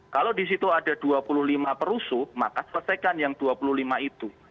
kalau di situ ada dua puluh lima perusuh maka selesaikan yang dua puluh lima itu